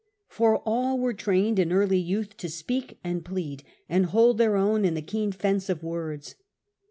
For all were trained in early youth to speak and plead and hold their own in the keen fence Early train of words.